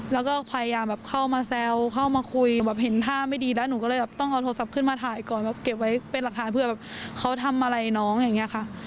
แล้วก็พยายามแบบเข้ามาแซวเข้ามาคุยแบบเห็นท่าไม่ดีแล้วหนูก็เลยแบบต้องเอาโทรศัพท์ขึ้นมาถ่ายก่อนแบบเก็บไว้เป็นหลักฐานเผื่อแบบเขาทำอะไรน้องอย่างนี้ค่ะ